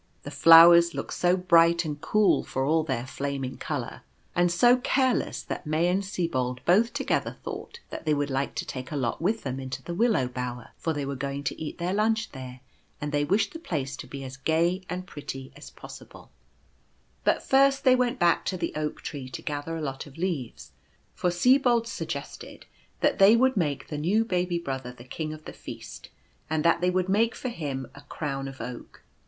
The flowers looked so bright and cool for all their flaming colour, and so careless, that May and Sibold both together thought that they would like to take a lot with them into the Willow Bower ; for they were going to eat their lunch there, and they wished the place to be as gay and pretty as possible. The Poppies. 167 But first they went back to the Oak tree to gather a lot of leaves, for Sibold suggested that they would make the new baby brother the King of the Feast, and that they would make for him a crown of oak.